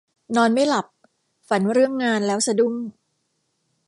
นอนไม่หลับ ฝันเรื่องงานแล้วสะดุ้ง